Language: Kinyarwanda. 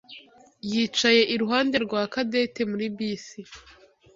yicaye iruhande rwa Cadette muri bisi.